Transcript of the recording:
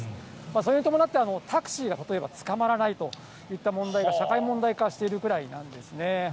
それに伴って、タクシーが例えばつかまらないといった問題が社会問題化しているぐらいなんですね。